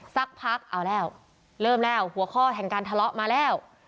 สักพักเอาแล้วเริ่มแล้วหัวข้อแห่งการทะเลาะมาแล้ว